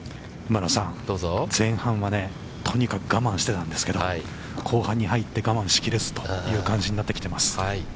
◆馬野さん、前半はとにかく我慢してたんですけど、後半に入って、我慢しきれずという感じになってきています。